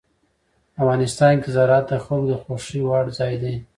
افغانستان کې زراعت د خلکو د خوښې وړ ځای دی.